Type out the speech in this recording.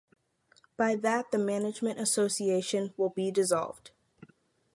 By that the Management Association will be dissolved.